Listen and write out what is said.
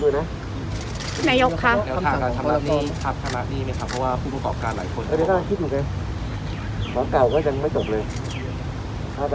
พี่่ายยกค่ะ